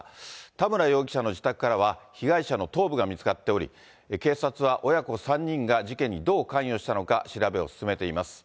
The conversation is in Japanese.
田村容疑者の自宅からは、被害者の頭部が見つかっており、警察は親子３人が事件にどう関与したのか調べを進めています。